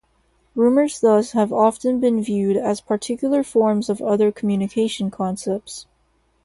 Rumors thus have often been viewed as particular forms of other communication concepts.